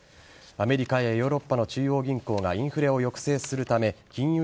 アメリカやヨーロッパの中央銀行がインフレを抑制するため金融